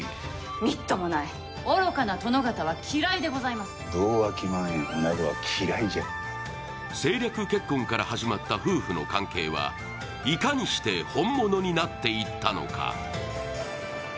みっともない愚かな殿方は嫌いでございます分をわきまえぬ女子は嫌いじゃ政略結婚から始まった夫婦の関係はいかにして本物になっていったのか？